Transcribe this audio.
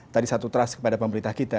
tadi satu trust kepada pemerintah kita